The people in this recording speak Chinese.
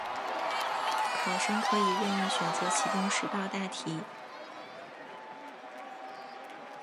考生可以任意选择其中十道大题